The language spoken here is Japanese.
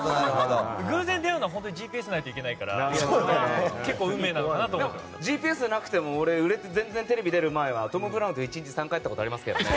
偶然に出会うのは、本当にＧＰＳがないといけないからＧＰＳとかなくても俺、テレビ出る前はトム・ブラウンと１日３回会ったことがありますけどね。